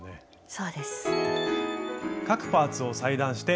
そうです。